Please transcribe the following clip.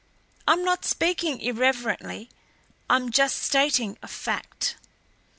I'm not speaking irreverently I'm just stating a fact."